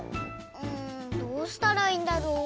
んどうしたらいいんだろう？